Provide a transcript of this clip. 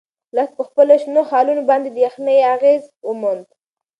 لښتې په خپلو شنو خالونو باندې د یخنۍ اغیز وموند.